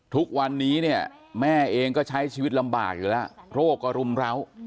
ทุกวันนี้เนี่ยแม่เองก็ใช้ชีวิตลำบากอยู่แล้วโรคก็รุมร้าว